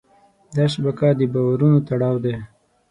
دا شبکه د باورونو تړاو دی.